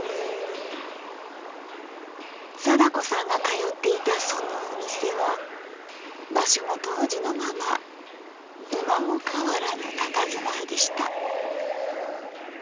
貞子さんが通っていたそのお店は場所も当時のまま今も変わらぬたたずまいでした。